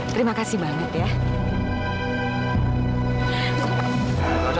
terima kasih banget ya